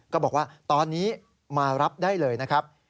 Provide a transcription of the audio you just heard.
ก็บอกว่าตอนนี้มารับได้เลยนะครับ